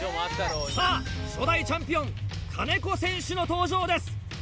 さぁ初代チャンピオン金子選手の登場です。